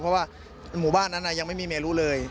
เพราะว่าหมู่บ้านนั้นยังไม่มีเมนูเลย